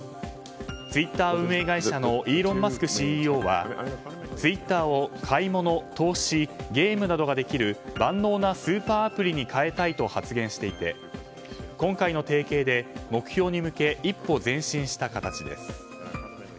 ツイッター運営会社のイーロン・マスクＣＥＯはツイッターを買い物、投資ゲームなどができる万能なスーパーアプリに変えたいと発言していて今回の提携で、目標に向け一歩前進した形です。